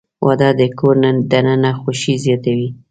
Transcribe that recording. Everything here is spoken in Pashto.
• واده د کور دننه خوښي زیاتوي.